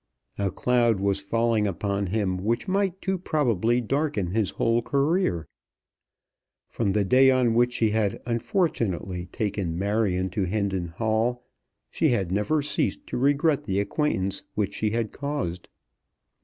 A cloud was falling upon him which might too probably darken his whole career. From the day on which she had unfortunately taken Marion to Hendon Hall, she had never ceased to regret the acquaintance which she had caused.